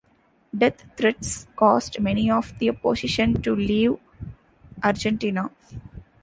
Death threats caused many of the opposition to leave Argentina.